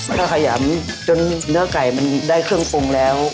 ถ้าขยำจนเนื้อไก่มันได้เครื่องปรุงแล้ว